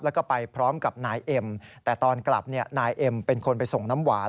แล้วก็ไปพร้อมกับนายเอ็มแต่ตอนกลับนายเอ็มเป็นคนไปส่งน้ำหวาน